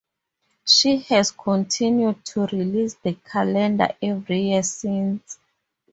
She has continued to release the calendar every year since.